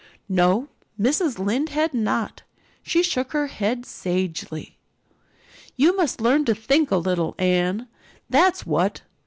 No, Mrs. Lynde had not. She shook her head sagely. "You must learn to think a little, Anne, that's what.